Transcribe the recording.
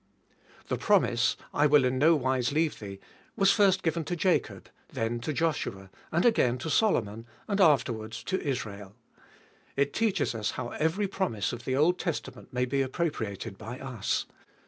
1. The promise — I will in nowise leave thee was first given to Jacob, then to Joshua, and again to Solomon, and afterwards to Israel. It teaches us how every promise of the Old Testament may be appropriated by us.